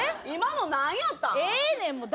今の何やったん？